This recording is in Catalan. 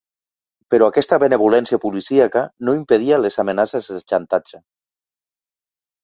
Però aquesta benevolència policíaca no impedia les amenaces de xantatge.